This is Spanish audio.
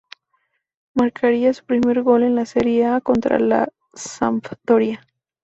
Marcaría su primer gol en la Serie A contra la Sampdoria.